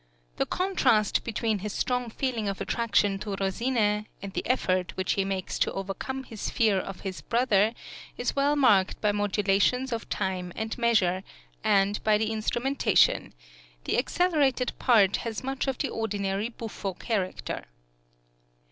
The contrast between his strong feeling of attraction to Rosine and the effort which he makes to overcome his fear of his brother is well marked by modulations of time and measure, and by the instrumentation; the accelerated part has much of the ordinary buffo character.